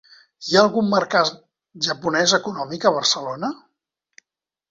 Hi ha algun mercat japonès econòmic a Barcelona?